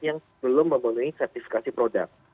yang belum memenuhi sertifikasi produk